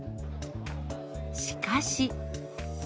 しかし。